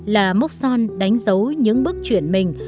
là mốc son đánh dấu những bước chuyển mình